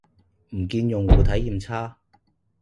唔見用戶體驗差